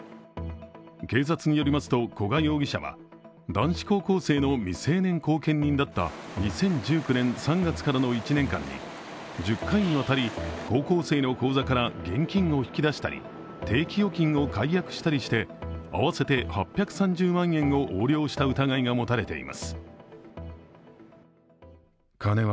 警察によりますと、古賀容疑者は男子高校生の未成年後見人だった２０１９年３月からの１年間に１０回にわたり高校生の口座から現金を引き出したり定期預金を解約したりして合わせて８３０万円を横領した疑いが持たれています。